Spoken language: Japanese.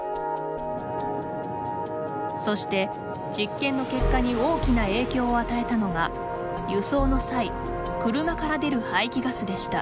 そして実験の結果に大きな影響を与えたのが輸送の際車から出る排気ガスでした。